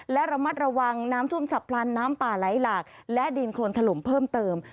และระมัดระวังน้ำท่วมฉับพลันน้ำป่าไหลหลากและดินโครนถล่มเพิ่มเติม